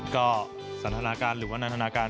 ก็สันทนาการหรือว่านันทนาการ